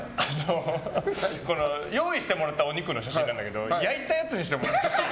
用意してもらったお肉の写真なんだけど焼いたやつにしてもらっていい？